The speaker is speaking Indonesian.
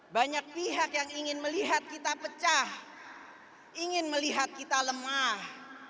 banyak pihak yang ingin melihat kita pecah ingin melihat kita lemah